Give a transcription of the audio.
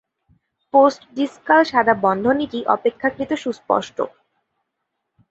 Post-discal সাদা বন্ধনীটি অপেক্ষাকৃত সুস্পষ্ট।